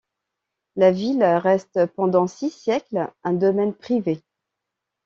La ville reste pendant six siècles un domaine privé.